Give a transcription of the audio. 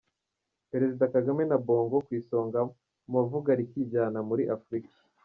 Perezida Kagame na Bongo ku isonga mu bavuga rikijyana muri Afurika